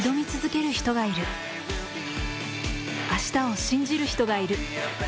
明日を信じる人がいる。